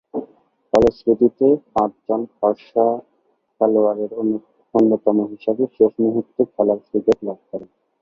ফলশ্রুতিতে পাঁচজন খসড়া খেলোয়াড়ের অন্যতম হিসেবে শেষ মুহুর্তে খেলার সুযোগ লাভ করেন।